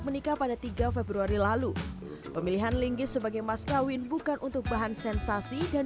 menikah pada tiga februari lalu pemilihan linggis sebagai maskawin bukan untuk bahan sensasi dan